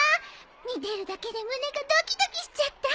見てるだけで胸がドキドキしちゃった！